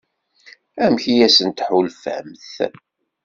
Amek i asent-tḥulfamt?